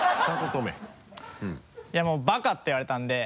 いやもうバカって言われたんで。